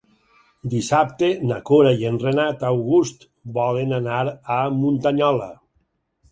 Dissabte na Cora i en Renat August volen anar a Muntanyola.